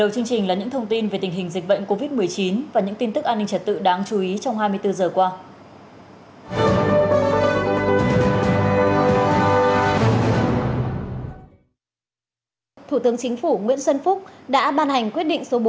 các bạn hãy đăng ký kênh để ủng hộ kênh của chúng mình nhé